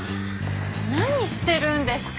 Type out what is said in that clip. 何してるんですか？